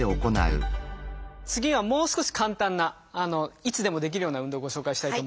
次はもう少し簡単ないつでもできるような運動をご紹介したいと思うんですけど。